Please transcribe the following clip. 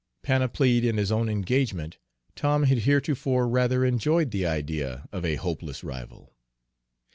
Panoplied in his own engagement, Tom had heretofore rather enjoyed the idea of a hopeless rival.